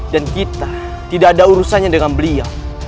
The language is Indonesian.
dan kita tidak ada urusannya dengan beliau